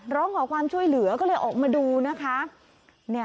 ร้องขอความช่วยเหลือก็เลยออกมาดูนะคะ